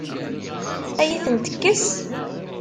Ad iyi-ten-tekkes?